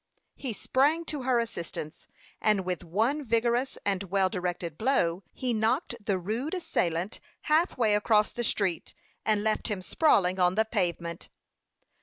He sprang to her assistance, and with one vigorous and well directed blow, he knocked the rude assailant halfway across the street, and left him sprawling on the pavement.